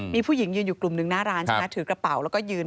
มีผู้หญิงอยู่กลุ่มหนึ่งหน้าร้าน